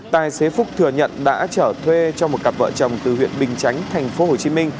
tài xế phúc thừa nhận đã trở thuê cho một cặp vợ chồng từ huyện bình chánh tp hcm